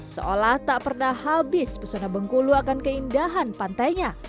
seolah tak pernah habis pesona bengkulu akan keindahan pantainya